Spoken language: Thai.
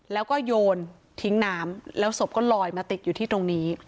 แล้วก็โยนทิ้งน้ำแล้วศพก็ลอยมาติดอยู่ที่ตรงนี้